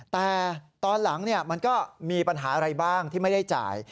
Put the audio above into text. แต่ตอนหลังมันก็มีปัญหาอะไรบ้างที่ไม่ได้จ่าย